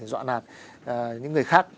để dọa nạt những người khác